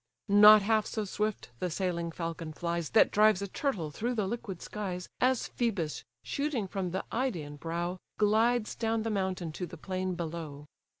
Not half so swift the sailing falcon flies, That drives a turtle through the liquid skies, As Phœbus, shooting from the Idaean brow, Glides down the mountain to the plain below.